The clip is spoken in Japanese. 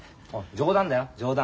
冗談だよ冗談。